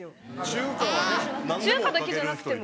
中華だけじゃなくて。